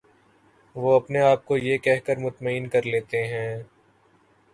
وہ اپنے آپ کو یہ کہہ کر مطمئن کر لیتے ہیں